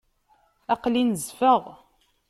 Aql-i nezfeɣ.